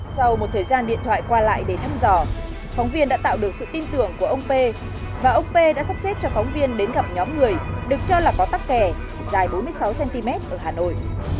sau một thời gian điện thoại qua lại để thăm dò phóng viên đã tạo được sự tin tưởng của ông p và ông p đã sắp xếp cho phóng viên đến gặp nhóm người được cho là có tắt kẻ dài bốn mươi sáu cm ở hà nội